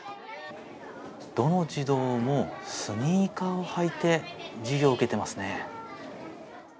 どの児童もスニーカーを履いて授業を受けてますね。